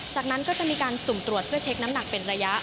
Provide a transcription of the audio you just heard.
จากนั้นก็จะมีการสุ่มตรวจเพื่อเช็คน้ำหนักเป็นระยะ